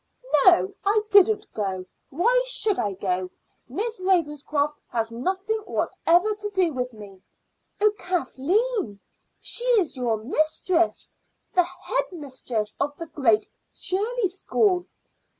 "No, I didn't go. Why should I go? Miss Ravenscroft has nothing whatever to do with me." "Oh, Kathleen! she is your mistress the head mistress of the Great Shirley School."